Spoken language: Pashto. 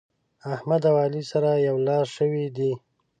احمد او علي سره يو لاس شوي دي.